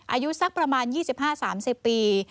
อายุสักประมาณ๒๕๓๐ปี